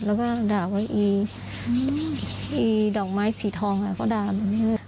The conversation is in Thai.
แล้วก็ด่าว่าไอ้ดอกไม้สีทองก็ด่ามึง